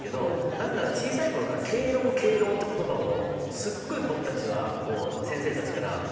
なぜなら小さい頃から「敬老敬老」っていう言葉をすごい僕たちは先生たちから教えられてきたわけですよね。